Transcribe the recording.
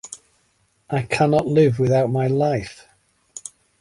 I cannot live without my life!